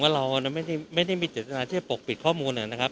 เราไม่ได้มีเจตนาที่จะปกปิดข้อมูลนะครับ